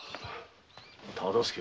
忠相。